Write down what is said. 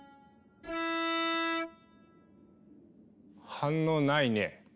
反応ないね。